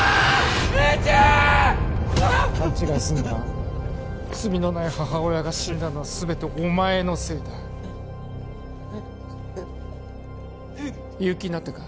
勘違いすんな罪のない母親が死んだのは全てお前のせいだ言う気になったか？